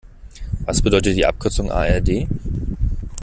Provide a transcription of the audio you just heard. Was bedeutet die Abkürzung A-R-D?